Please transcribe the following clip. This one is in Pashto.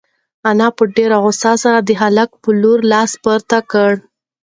انا په ډېرې غوسې د هلک په لور لاس پورته کړ.